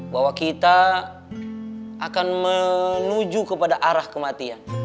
bahwa kita akan menuju kepada arah kematian